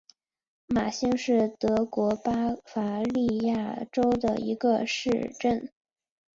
马兴是德国巴伐利亚州的一个市镇。